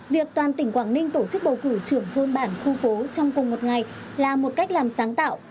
việc toàn tỉnh quảng ninh tổ chức bầu cử trưởng thôn bản khu phố trong cùng một ngày là một cách làm sáng tạo